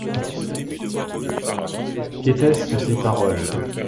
Qu’était-ce que ces paroles?